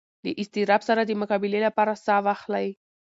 له اضطراب سره د مقابلې لپاره ساه واخلئ.